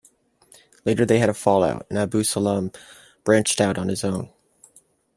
Later they had a fallout and Abu Salem branched out on his own.